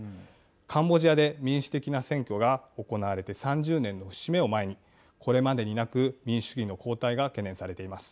カンボジアで民主的な選挙が行われて３０年の節目を前にこれまでになく民主主義の後退が懸念されています。